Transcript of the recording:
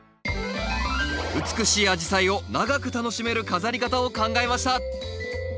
美しいアジサイを長く楽しめる飾り方を考えました！